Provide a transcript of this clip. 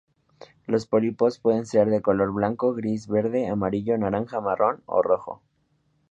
Los pólipos pueden ser de color blanco, gris, verde, amarillo, naranja, marrón o rojo.